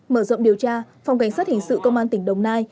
mở rộng điều tra phòng cảnh sát hình sự công an tỉnh đồng nai